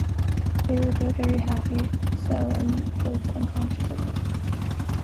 They were both very happy so, and both unconscious of it.